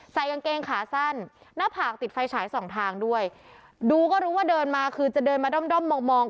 กางเกงขาสั้นหน้าผากติดไฟฉายสองทางด้วยดูก็รู้ว่าเดินมาคือจะเดินมาด้อมด้อมมองมอง